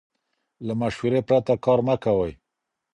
له مشورې پرته کار مه کوئ.